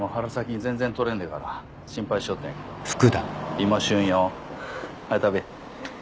今旬よ。はよ食べ。